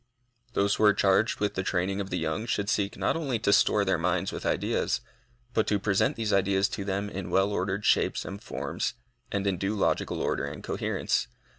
Those who are charged with the training of the young should seek not only to store their minds with ideas, but to present these ideas to them in well ordered shapes and forms, and in due logical order and coherence.